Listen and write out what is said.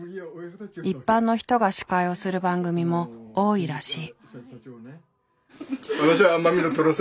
一般の人が司会をする番組も多いらしい。